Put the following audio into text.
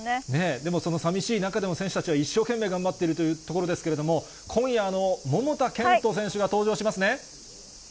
でも、そのさみしい中でも、選手たちは一生懸命頑張っているというところですけれども、今夜、桃田賢斗選手が登場しますね。